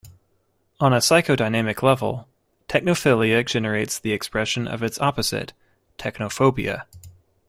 On a psychodynamic level, technophilia generates the expression of its opposite, technophobia.